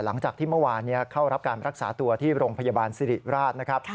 หลังจากที่เมื่อวานเข้ารับการรักษาตัวที่โรงพยาบาลสิริราชนะครับ